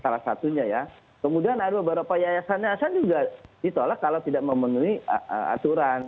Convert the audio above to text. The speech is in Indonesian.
salah satunya ya kemudian ada beberapa yayasan yayasan juga ditolak kalau tidak memenuhi aturan